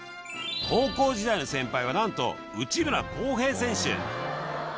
高校時代の先輩はなんと内村航平選手